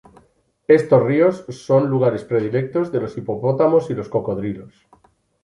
Estos ríos son los lugares predilectos de los hipopótamos y los cocodrilos.